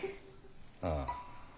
ああ。